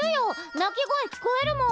鳴き声聞こえるもん。